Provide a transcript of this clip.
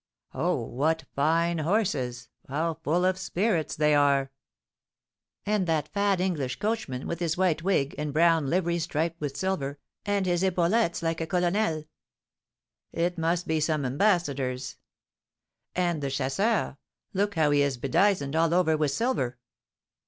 "Oh, what fine horses! how full of spirits they are!" "And that fat English coachman, with his white wig, and brown livery striped with silver, and his epaulettes like a colonel!" "It must be some ambassador's." "And the chasseur, look how he is bedizened all over with silver!"